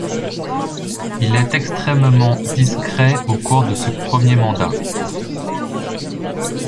Il est extrêmement discret au cours de ce premier mandat.